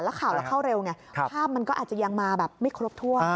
แล้วข่าวเราเข้าเร็วไงภาพมันก็อาจจะยังมาแบบไม่ครบถ้วน